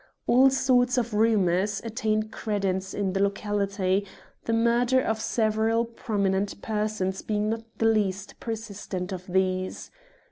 All sorts of rumours attain credence in the locality, the murder of several prominent persons being not the least persistent of these.